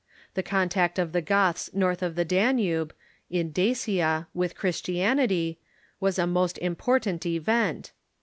The contact of the Goths north of the Danube, in Dacia, with Christianity, was a most important event.